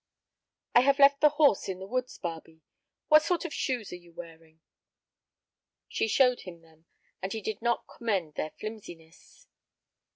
"I have left the horse in the woods, Barbe. What sort of shoes are you wearing?" She showed him them, and he did not commend their flimsiness.